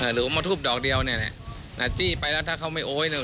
หรือมาทุบดอกเดียวเนี่ยนะจี้ไปแล้วถ้าเขาไม่โอ๊ยเนี่ย